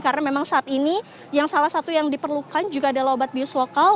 karena memang saat ini salah satu yang diperlukan juga adalah obat bius lokal